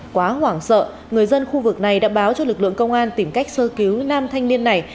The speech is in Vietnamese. quá hoảng sợ người dân khu vực này đã báo cho lực lượng công an tìm cách sơ cứu nam thanh niên này